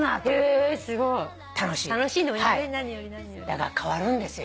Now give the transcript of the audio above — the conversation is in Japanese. だから変わるんですよ